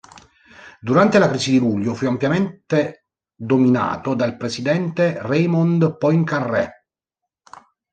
Durante la Crisi di luglio, fu ampiamente dominato dal Presidente Raymond Poincaré.